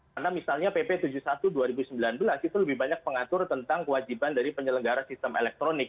karena misalnya pp tujuh puluh satu dua ribu sembilan belas itu lebih banyak pengatur tentang kewajiban dari penyelenggara sistem elektronik